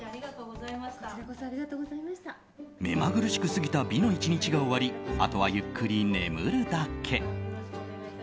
目まぐるしく過ぎた美の１日が終わりあとはゆっくり眠るだけ。